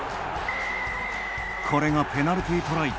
これがペナルティートライ。